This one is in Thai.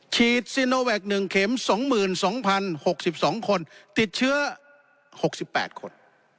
ฉีดซีโนแวค๑เข็ม๒๒๐๖๒คนติดเชื้อ๖๘คน